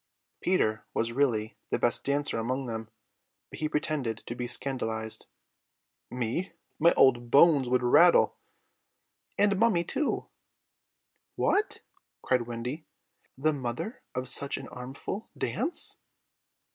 Peter was really the best dancer among them, but he pretended to be scandalised. "Me! My old bones would rattle!" "And mummy too." "What," cried Wendy, "the mother of such an armful, dance!"